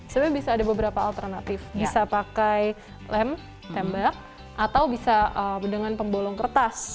sebenarnya bisa ada beberapa alternatif bisa pakai lem tembak atau bisa dengan pembolong kertas